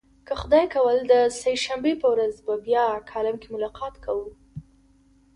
که خدای کول د سه شنبې په ورځ به بیا کالم کې ملاقات کوو.